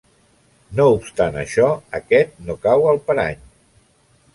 No obstant això, aquest no cau al parany.